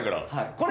これ！